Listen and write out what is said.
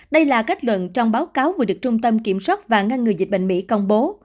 đây là kết luận trong báo cáo vừa được trung tâm kiểm soát và ngăn ngừa dịch bệnh mỹ công bố